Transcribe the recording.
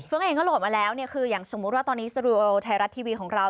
เครื่องเองก็โหลดมาแล้วคืออย่างสมมุติว่าตอนนี้สรุปไทยรัฐทีวีของเรา